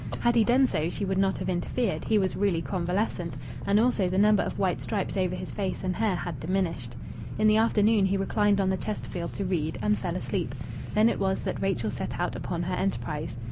Had he done so she would not have interfered; he was really convalescent, and also the number of white stripes over his face and hair had diminished. In the afternoon he reclined on the Chesterfield to read, and fell asleep. Then it was that Rachel set out upon her enterprise.